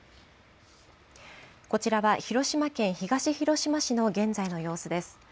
こちらは広島県東広島市の現在の様子です。